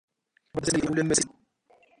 ربّى سامي أولاده في الدّين المسيحي.